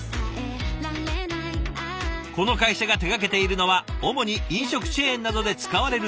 この会社が手がけているのは主に飲食チェーンなどで使われる食器類。